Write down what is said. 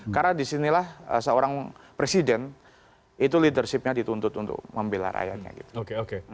karena disinilah seorang presiden itu leadership nya dituntut untuk mempilar rakyatnya